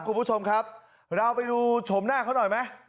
คุณผู้ชมครับเราไปดูชมหน้าเขาหน่อยไหม